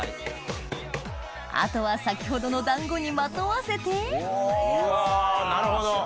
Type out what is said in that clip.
あとは先ほどの団子にまとわせておなるほど！